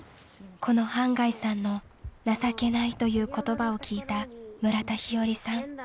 この半谷さんの「情けない」という言葉を聞いた村田日和さん。